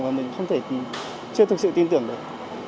và mình không thể chưa thực sự tin tưởng được